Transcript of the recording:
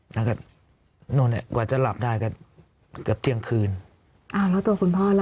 แล้วก็นู่นเนี่ยกว่าจะหลับได้ก็เกือบเที่ยงคืนอ่าแล้วตัวคุณพ่อล่ะ